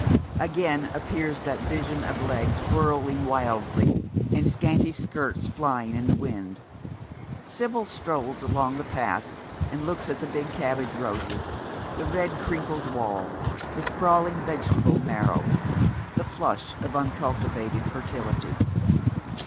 Again appears that vision of legs whirling wildly, and scanty skirts flying in the wind. Sibyl strolls along the path, and looks at the big cabbage roses, the red crinkled wall, the sprawling vegetable marrows, the flush of uncultivated fertility.